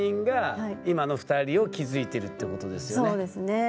そうですね。